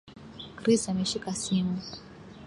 Chris ameshika simu